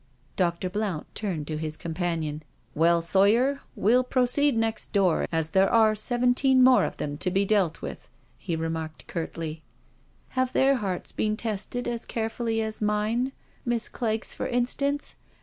Dr. Blount turned to his companion: IN THE PUNISHMENT CELL 293 '* Well, Sawyer, we*Il proceed next door, as there are seventeen more of them to be dealt with/' he remarked curtly. '* Have their hearts been tested as carefully as mine? Miss Clegg's^ for instance?